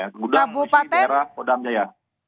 ya ke gudang amunisi daerah kodam jaya